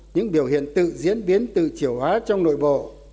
những biểu hiện tự diễn biến tự chế hóa trong nội bộ